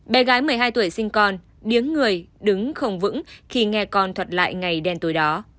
bé gái một mươi hai tuổi sinh con điếng người đứng không vững khi nghe con thuật lại ngày đen tối đó